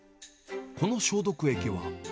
この消毒液は。